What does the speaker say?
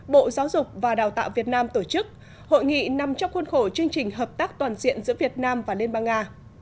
bộ giáo dục và đào tạo việt nam tổ chức hội nghị nằm trong khuôn khổ chương trình hợp tác toàn diện giữa việt nam và liên bang nga